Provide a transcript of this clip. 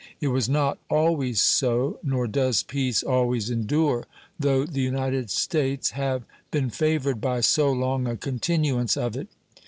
It was not always so, nor does peace always endure, though the United States have been favored by so long a continuance of it.